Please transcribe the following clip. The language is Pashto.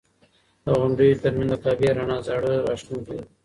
د غونډیو تر منځ د کعبې رڼا زړه راښکونکې ده.